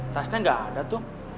tasnya gak ada tuh